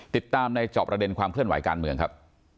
ติดตามในจอบประเด็นความเคลื่อนไหวการเมืองครับ